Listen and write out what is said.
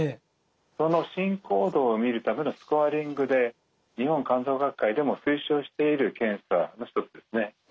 その進行度を見るためのスコアリングで日本肝臓学会でも推奨している検査の一つですね。